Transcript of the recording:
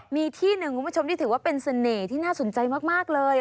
มีที่หนึ่งคุณผู้ชมที่ถือว่าเป็นเสน่ห์ที่น่าสนใจมากเลย